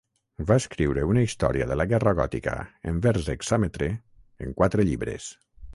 Va escriure una història de la guerra gòtica en vers hexàmetre en quatre llibres.